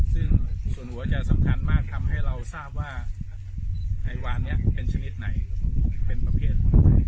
ซึ่งส่วนหัวจะสำคัญมากทำให้เราทราบว่าไอวานนี้เป็นชนิดไหนเป็นประเภท